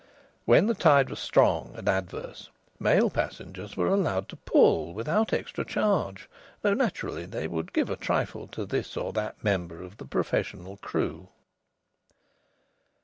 When the tide was strong and adverse, male passengers were allowed to pull, without extra charge, though naturally they would give a trifle to this or that member of the professional crew.